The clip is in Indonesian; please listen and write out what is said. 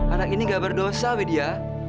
anak ini gak berdosa wedya